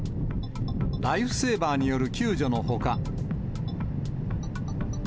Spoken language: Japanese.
ライフセーバーによる救助のほか。